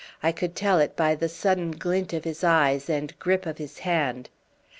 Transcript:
I could tell it by the sudden glint of his eyes and grip of his hand.